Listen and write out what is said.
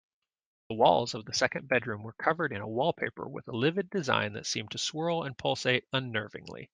The walls of the second bedroom were covered in a wallpaper with a livid design that seemed to swirl and pulsate unnervingly.